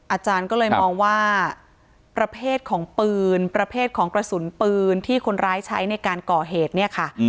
อาจารย์ก็เลยมองว่าประเภทของปืนประเภทของกระสุนปืนที่คนร้ายใช้ในการก่อเหตุเนี่ยค่ะ